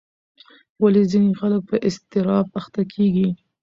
ولې ځینې خلک په اضطراب اخته کېږي؟